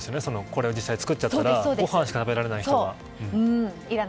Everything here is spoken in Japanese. これを実際に作っちゃったらご飯しか食べられない人が。